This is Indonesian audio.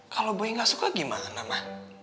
kalau boy gak suka gimana ma